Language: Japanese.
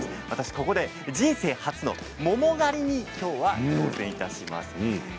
ここで人生初の桃狩りにきょうは挑戦します。